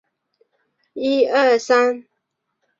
陈锡璋表示即电蒙藏委员会请示。